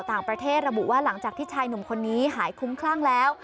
ต่างประเทศระบุว่าหลังจากที่ชายหนุ่มคนนี้หายคุ้มคลั่งแล้ว